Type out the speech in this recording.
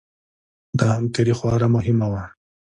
دا همکاري خورا مهمه وه.